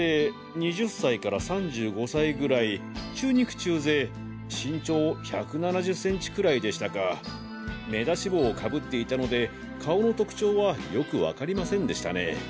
２０歳から３５歳ぐらい中肉中背身長１７０ｃｍくらいでしたか目出し帽を被っていたので顔の特徴はよくわかりませんでしたね。